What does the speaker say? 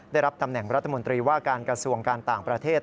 ได้รับตำแหน่งรัฐมนตรีว่าการกระทรวงการต่างประเทศ